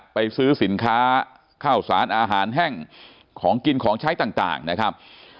ไปซื้อสินค้าข้าวสารอาหารแห้งของกินของใช้ต่างนะครับ